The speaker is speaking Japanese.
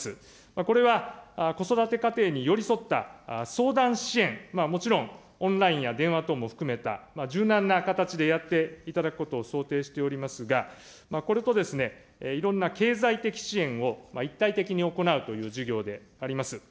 これは子育て家庭に寄り添った相談支援、もちろんオンラインや電話等も含めた柔軟な形でやっていただくことを想定しておりますが、これといろんな経済的支援を一体的に行うという事業であります。